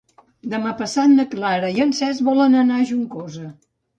Demà passat na Clara i en Cesc volen anar a Juncosa.